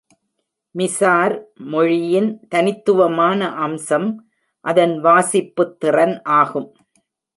Mizar மொழியின் தனித்துவமான அம்சம் அதன் வாசிப்புத்திறன் ஆகும்.